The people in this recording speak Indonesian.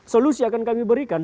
solusi akan kami berikan